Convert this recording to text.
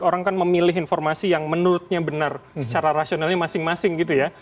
orang kan memilih informasi yang menurutnya benar secara rasionalnya masing masing gitu ya